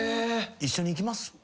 一緒に行きます？